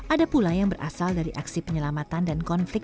ada pula yang berasal dari aksi penyelamatan dan konflik